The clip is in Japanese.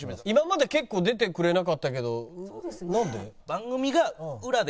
今まで結構出てくれなかったけどなんで？